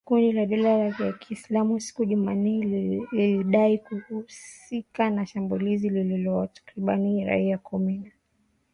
Kundi la dola ya kiisilamu siku ya Jumanne lilidai kuhusika na shambulizi lililoua takribani raia kumi na tano